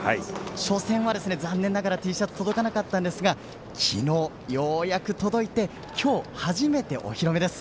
初戦は残念ながらＴシャツ届かなかったんですが昨日、ようやく届いて今日初めてお披露目です。